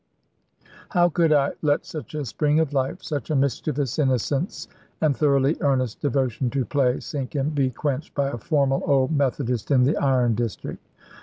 How could I let such a spring of life, such a mischievous innocence, and thoroughly earnest devotion to play, sink and be quenched by a formal old Methodist in the iron district?